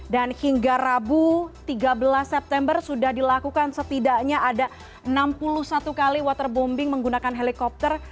dan hingga rabu tiga belas september sudah dilakukan setidaknya ada enam puluh satu kali waterbombing menggunakan helikopter